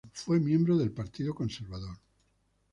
Fue miembro del Partido Conservador.